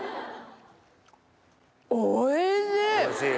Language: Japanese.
おいしい！